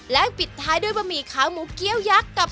และปิดท้ายความค่ะใหม่ค้ามูกเกี๊ยวยักษ์